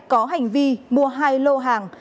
có hành vi mua hai lô hàng